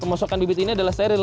pemasokan bibit ini adalah steril